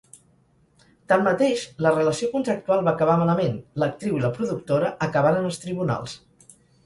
Tanmateix, la relació contractual va acabar malament, l'actriu i la productora acabaren als tribunals.